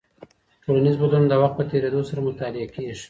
ټولنیز بدلونونه د وخت په تېرېدو سره مطالعه کیږي.